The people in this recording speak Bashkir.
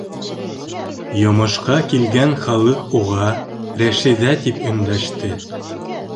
Йомошҡа килгән халыҡ уға Рәшиҙә тип өндәште.